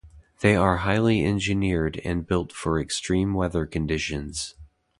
They are highly engineered and built for extreme weather conditions.